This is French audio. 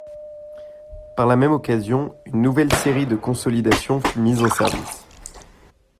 Par la même occasion, une nouvelle série de Consolidation fut mise en service.